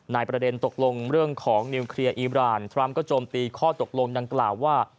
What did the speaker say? ประเด็นตกลงเรื่องของนิวเคลียร์อีบรานทรัมป์ก็โจมตีข้อตกลงดังกล่าวว่า